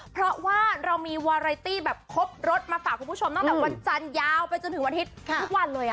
เพราะว่าเรามีวาไรตี้แบบครบรถมาฝากคุณผู้ชมตั้งแต่วันจันทร์ยาวไปจนถึงวันอาทิตย์ทุกวันเลย